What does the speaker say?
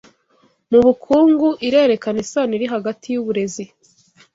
mubukungu Irerekana isano iri hagati yuburezi